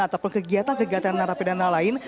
ataupun kegiatan kegiatan menerapi dana lain